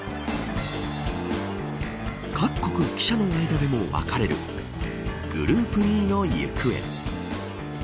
各国記者の間でも分かれるグループＥの行方。